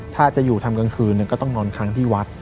ถ้าจะอยู่ทำกลางคืนก็ต้องนอนค้างที่วัด